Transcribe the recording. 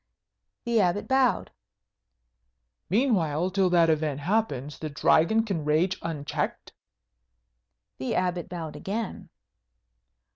The Abbot bowed. "Meanwhile, till that event happen, the Dragon can rage unchecked?" The Abbot bowed again.